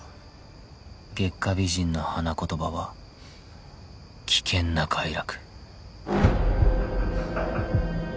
月下美人の花言葉は「危険な快楽」